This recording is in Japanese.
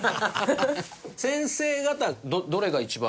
先生方どれが一番。